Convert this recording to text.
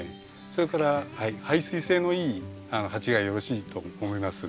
それから排水性のいい鉢がよろしいと思います。